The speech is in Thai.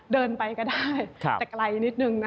เดินไปก็ได้แต่ไกลนิดนึงนะคะ